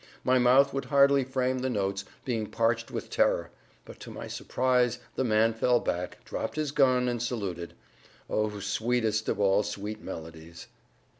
My mouth would hardly frame the notes, being parched with terror; but to my surprise, the man fell back, dropped his gun, and saluted. Oh, sweetest of all sweet melodies!